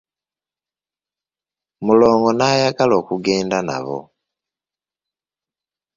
Mulongo n'ayagala okugenda nabo.